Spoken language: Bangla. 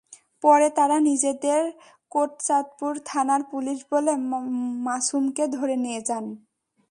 পরে তাঁরা নিজেদের কোটচাঁদপুর থানার পুলিশ বলে মাসুমকে ধরে নিয়ে যান।